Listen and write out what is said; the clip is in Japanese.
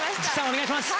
お願いします。